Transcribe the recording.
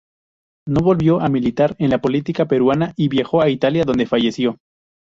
No volvió a militar en la política peruana y viajó a Italia, donde falleció.